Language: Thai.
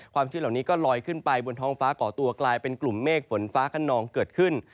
ชื้นเหล่านี้ก็ลอยขึ้นไปบนท้องฟ้าก่อตัวกลายเป็นกลุ่มเมฆฝนฟ้าขนองเกิดขึ้น